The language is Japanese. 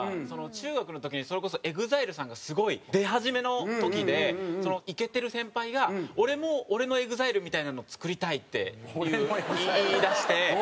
中学の時にそれこそＥＸＩＬＥさんがすごい出始めの時でイケてる先輩が「俺も俺のＥＸＩＬＥみたいなのを作りたい」って言い出して。